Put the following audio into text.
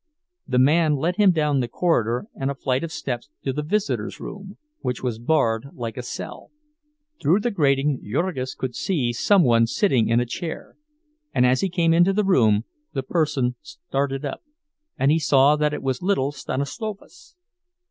The man led him down the corridor and a flight of steps to the visitors' room, which was barred like a cell. Through the grating Jurgis could see some one sitting in a chair; and as he came into the room the person started up, and he saw that it was little Stanislovas.